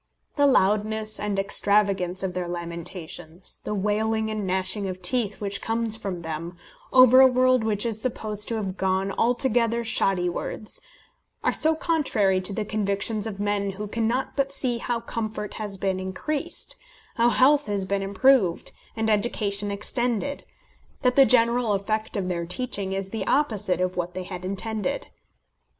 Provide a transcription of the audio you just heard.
The loudness and extravagance of their lamentations, the wailing and gnashing of teeth which comes from them, over a world which is supposed to have gone altogether shoddy wards, are so contrary to the convictions of men who cannot but see how comfort has been increased, how health has been improved, and education extended, that the general effect of their teaching is the opposite of what they have intended.